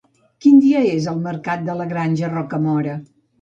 Quin dia és el mercat de la Granja de Rocamora?